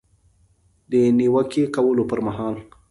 د نیوکې کولو پر مهال